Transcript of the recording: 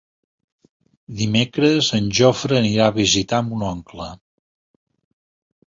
Dimecres en Jofre anirà a visitar mon oncle.